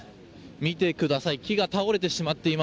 見てください